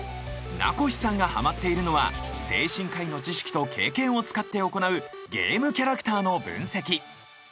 名越さんがハマっているのは精神科医の知識と経験を使って行うゲームキャラクターの分析。